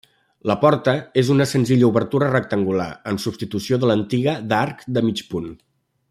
La porta és una senzilla obertura rectangular en substitució de l'antiga d'arc de mig punt.